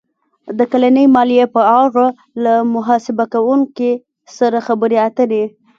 -د کلنۍ مالیې په اړه له محاسبه کوونکي سره خبرې اتر ې